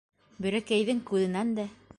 Бөйрәкәйҙең күҙенән дә